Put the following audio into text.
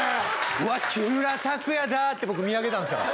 「うわ木村拓哉だ」って僕見上げたんですから。